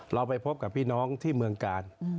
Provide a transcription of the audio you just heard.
เราไปพบกับพี่น้องที่เมืองกาล